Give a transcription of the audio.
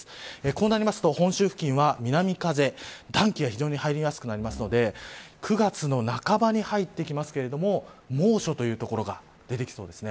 こうなると本州付近は南風暖気が非常に入りやすくなるので９月の半ばに入ってきますけれども猛暑という所が出てきそうです。